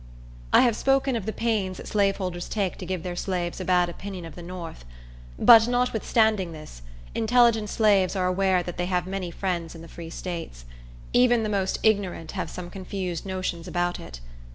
I have spoken of the pains slaveholders take to give their slaves a bad opinion of the north; but, notwithstanding this, intelligent slaves are aware that they have many friends in the Free States. Even the most ignorant have some confused notions about it.